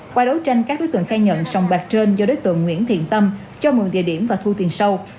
qua đấu tranh các đối tượng khai nhận sòng bạc trên do đối tượng nguyễn thiện tâm cho mượn địa điểm và thu tiền sâu